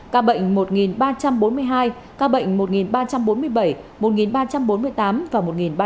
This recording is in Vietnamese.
ca bệnh một ba trăm bốn mươi hai ca bệnh một ba trăm bốn mươi bảy một ba trăm bốn mươi tám và một ba trăm bốn mươi chín